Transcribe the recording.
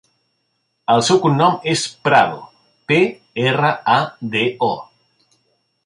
El seu cognom és Prado: pe, erra, a, de, o.